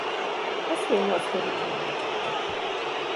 Ez fél nyolc körül indult el.